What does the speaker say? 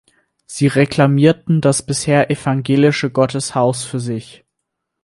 Sie reklamierten das bisher evangelische Gotteshaus für sich.